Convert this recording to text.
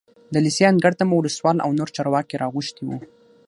د لېسې انګړ ته مو ولسوال او نور چارواکي راغوښتي وو.